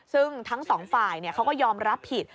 ซึ่งทั้งสองฝ่ายเขาก็ยอมรับผิด